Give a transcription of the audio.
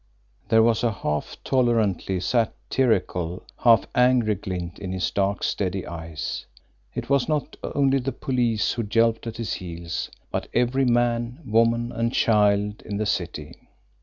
There was a half tolerantly satirical, half angry glint in his dark, steady eyes. It was not only the police who yelped at his heels, but every man, woman, and child in the city.